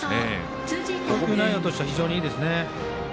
投球内容としては非常にいいですね。